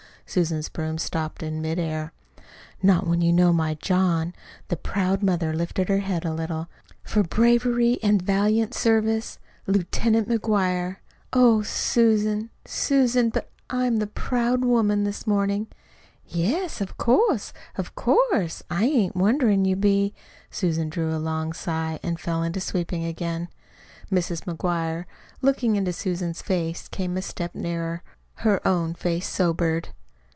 Susan's broom stopped in midair. "Not when you know my John!" The proud mother lifted her head a little. "'For bravery an' valiant service' Lieutenant McGuire! Oh Susan, Susan, but I'm the proud woman this mornin'!" "Yes, of course, of course, I ain't wonderin' you be!" Susan drew a long sigh and fell to sweeping again. Mrs. McGuire, looking into Susan's face, came a step nearer. Her own face sobered.